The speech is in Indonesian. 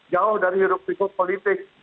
jauh dari hidup hidup politik